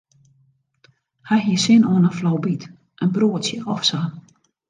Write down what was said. Hy hie sin oan in flaubyt, in broadsje of sa.